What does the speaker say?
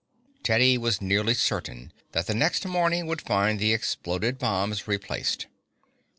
Teddy was nearly certain that the next morning would find the exploded bombs replaced.